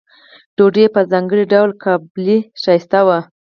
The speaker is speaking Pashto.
ډوډۍ یې په ځانګړي ډول قابلي ښایسته وه.